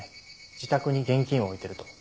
自宅に現金を置いていると。